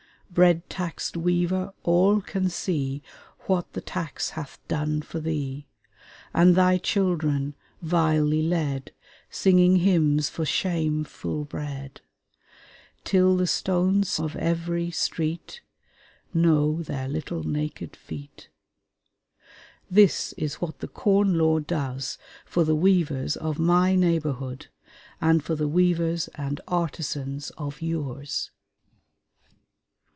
"Bread taxed weaver, all can see What the tax hath done for thee, And thy children, vilely led, Singing hymns for shameful bread, Till the stones of every street Know their little naked feet." This is what the Corn Law does for the weavers of my neighborhood, and for the weavers and artisans of yours....